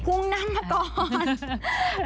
พุ่งน้ำก่อน